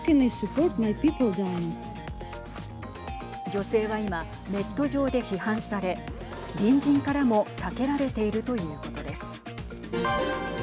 女性は今、ネット上で批判され隣人からも避けられているということです。